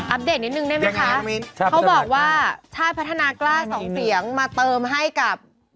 เดตนิดนึงได้ไหมคะเขาบอกว่าชาติพัฒนากล้าสองเสียงมาเติมให้กับ